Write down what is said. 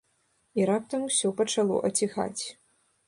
І раптам усё пачало аціхаць.